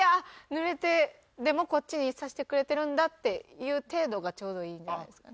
濡れてでもこっちにさしてくれてるんだっていう程度がちょうどいいんじゃないですか。